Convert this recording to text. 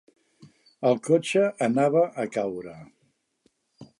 El cotxe anava a caure.